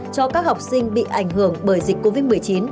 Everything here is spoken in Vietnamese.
cho các học sinh bị ảnh hưởng bởi dịch covid một mươi chín